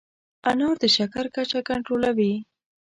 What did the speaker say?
انار د شکر کچه کنټرولوي.